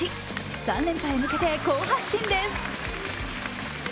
３連覇へ向けて好発進です。